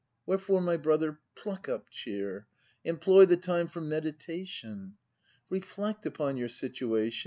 Wherefore, my brother, — pluck up cheer! Employ the time for meditation; Reflect upon your situation.